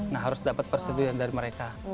nah harus dapat persetujuan dari mereka